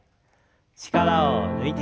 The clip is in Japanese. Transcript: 力を抜いて。